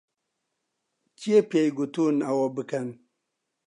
کێ پێی گوتوون ئەوە بکەن؟